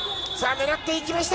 狙っていきました。